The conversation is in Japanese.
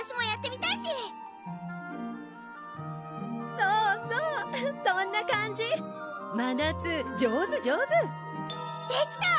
そうそうそんな感じまなつ上手上手できた！